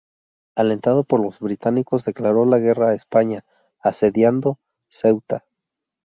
Alentado por los británicos declaró la guerra a España asediando Ceuta.